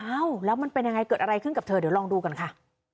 เอ้าแล้วมันเป็นยังไงเกิดอะไรขึ้นกับเธอเดี๋ยวลองดูกันค่ะ